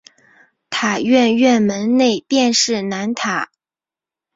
塔院院门内便是南塔。